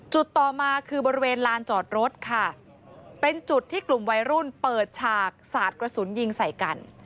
ต่อมาคือบริเวณลานจอดรถค่ะเป็นจุดที่กลุ่มวัยรุ่นเปิดฉากสาดกระสุนยิงใส่กัน